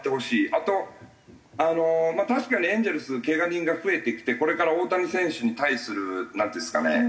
あと確かにエンゼルスけが人が増えてきてこれから大谷選手に対するなんていうんですかね。